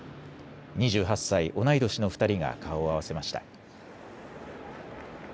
２８歳、同い年の２人が顔を合わせました。